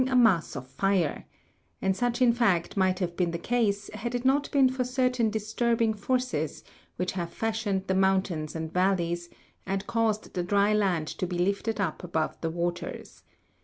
97 a mass of fire ; and such in fact might have been the case had it not been for certain disturbing forces which have fashioned the mountains and valleys, and caused the dry land to be lifted up above the waters.